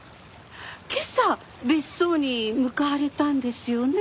今朝別荘に向かわれたんですよね？